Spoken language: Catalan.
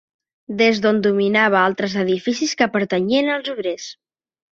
Des d'on dominava altres edificis que pertanyien als obrers